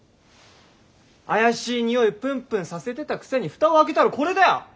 怪しいにおいをプンプンさせてたくせに蓋を開けたらこれだよ。